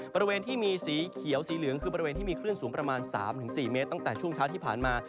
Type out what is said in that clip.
บริเวณที่มีสีเขียวสีเหลืองคือบริเวณที่มีคลื่นสูงประมาณ๓๔เมตรตั้งแต่ช่วงเช้าที่ผ่านมา